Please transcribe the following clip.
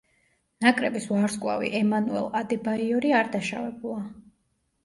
ნაკრების ვარსკვლავი ემანუელ ადებაიორი არ დაშავებულა.